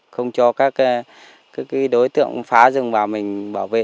không cho các đối tượng phá rừng vào mình bảo vệ